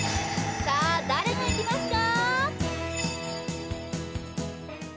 さあ誰がいきますか？